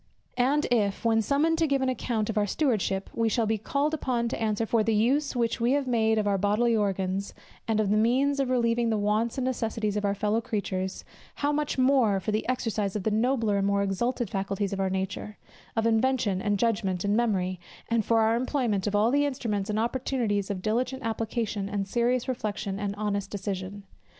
And if, when summoned to give an account of our stewardship, we shall be called upon to answer for the use which we have made of our bodily organs, and of the means of relieving the wants and necessities of our fellow creatures; how much more for the exercise of the nobler and more exalted faculties of our nature, of invention, and judgment, and memory; and for our employment of all the instruments and opportunities of diligent application, and serious reflection, and honest decision.